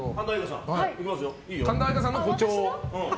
神田愛花さんの誇張で。